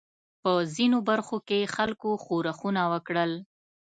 په ځینو برخو کې خلکو ښورښونه وکړل.